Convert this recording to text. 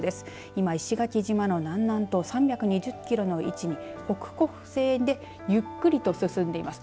今、石垣島の南南東３２０キロの位置に北北西でゆっくりと進んでいます。